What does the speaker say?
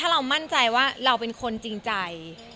เรามั่นใจว่าเราเป็นคนจริงใจ